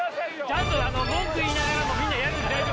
ちゃんとあの文句言いながらもみんなやるんで大丈夫です